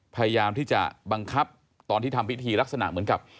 พยายามที่จะบังคับตอนที่ทำพิธีลักษณะเหมือนกับ